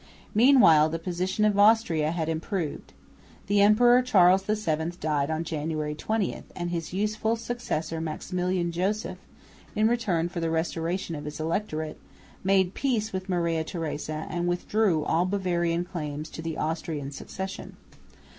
Meanwhile the position of Austria had improved. The Emperor Charles VII died on January 20; and his youthful successor Maximilian Joseph, in return for the restoration of his electorate, made peace with Maria Theresa and withdrew all Bavarian claims to the Austrian succession.